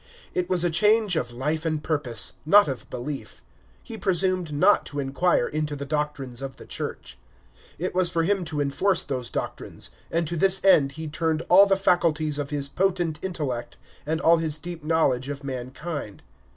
It was a change of life and purpose, not of belief. He presumed not to inquire into the doctrines of the Church. It was for him to enforce those doctrines; and to this end he turned all the faculties of his potent intellect, and all his deep knowledge of mankind.